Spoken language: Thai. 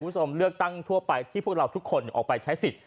คุณผู้ชมเลือกตั้งทั่วไปที่พวกเราทุกคนออกไปใช้สิทธิ์